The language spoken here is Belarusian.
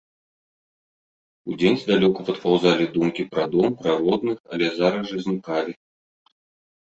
Удзень здалёку падпаўзалі думкі пра дом, пра родных, але зараз жа знікалі.